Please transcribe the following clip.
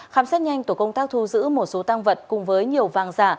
khám xét nhanh tổ công tác thu giữ một số tăng vật cùng với nhiều vàng giả